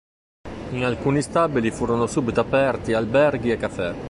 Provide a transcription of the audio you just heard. In alcuni stabili furono subito aperti alberghi e caffè.